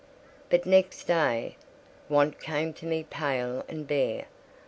But next day, Want came to me pale and bare.